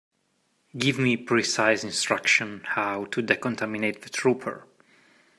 Give me precise instructions how to decontaminate the trooper.